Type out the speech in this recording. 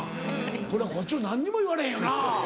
これはこっちは何にも言われへんよな。